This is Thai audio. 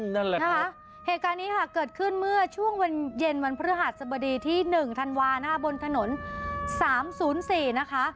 นั่นแหละนะคะเหตุการณ์นี้ค่ะเกิดขึ้นเมื่อช่วงวันเย็นวันพฤหัสบดีที่๑ธันวาหน้าบนถนน๓๐๔นะคะ